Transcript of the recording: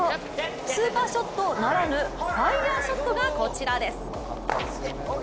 スーパーショットならぬファイアーショットがこちらです。